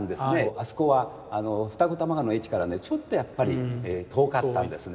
あそこは二子玉川の駅からねちょっとやっぱり遠かったんですね。